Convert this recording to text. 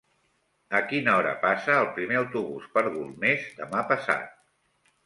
A quina hora passa el primer autobús per Golmés demà passat?